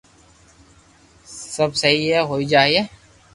سب سھي ھوئي جائين